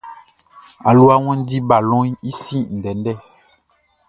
Aluaʼn wanndi balɔnʼn i sin ndɛndɛ.